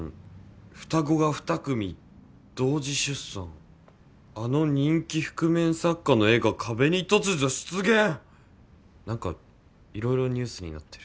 「双子が２組、同時出産」「あの人気覆面作家の絵が、壁に突如出現！？」なんか色々ニュースになってる。